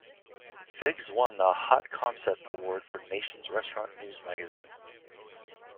Figs won the "Hot Concept" award from "Nation's Restaurant News" magazine.